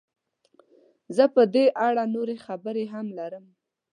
زه په دې اړه نورې خبرې هم لرم.